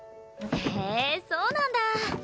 へえそうなんだ。